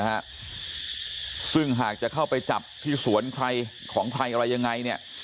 ฮะซึ่งหากจะเข้าไปจับที่สวนใครของใครอะไรยังไงเนี่ย